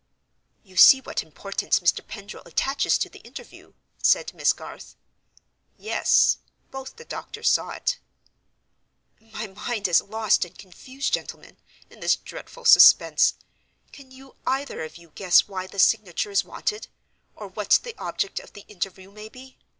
"You see what importance Mr. Pendril attaches to the interview?" said Miss Garth. Yes: both the doctors saw it. "My mind is lost and confused, gentlemen, in this dreadful suspense. Can you either of you guess why the signature is wanted? or what the object of the interview may be?